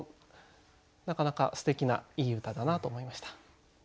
なかなかすてきないい歌だなと思いました。